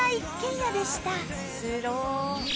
面白い！